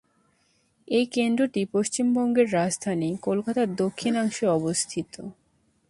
এই কেন্দ্রটি পশ্চিমবঙ্গের রাজধানী কলকাতার দক্ষিণাংশে অবস্থিত।